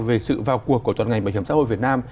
về sự vào cuộc của toàn ngành bảo hiểm xã hội việt nam